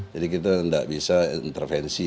jadi kita tidak bisa intervensi